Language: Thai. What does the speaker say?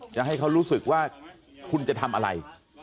จะให้เขารู้สึกว่าคุณจะทำอะไร